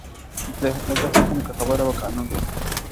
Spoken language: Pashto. د ده حکم، که خبره وه قانون وو!!